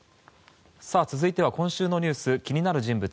続いては今週のニュース気になる人物